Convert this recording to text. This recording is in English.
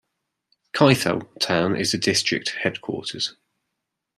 Kaithal town is the district headquarters.